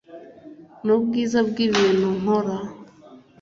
Nubwiza bwibintu nkora